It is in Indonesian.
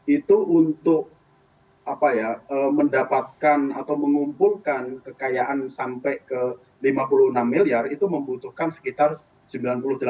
itu untuk mendapatkan atau mengumpulkan kekayaan sampai ke lima puluh enam miliar itu membutuhkan sekitar rp sembilan puluh delapan triliun